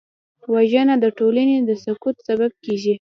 وژنه د ټولنې د سقوط سبب کېږي